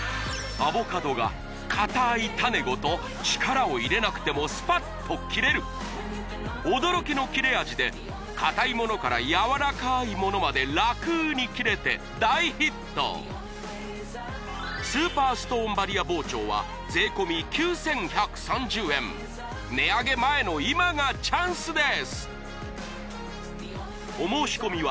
アボカドが硬い種ごと力を入れなくてもスパッと切れる驚きの切れ味で硬いものからやわらかいものまで楽に切れて大ヒットスーパーストーンバリア包丁は税込９１３０円値上げ前の今がチャンスです